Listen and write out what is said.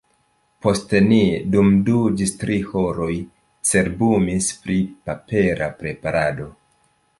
Poste ni dum du ĝis tri horoj cerbumis pri papera preparado.